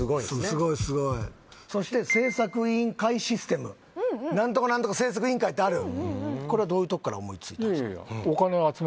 すごいすごいそして製作委員会システムうんうん○○製作委員会ってあるこれはどういうとこから思いついたんすか？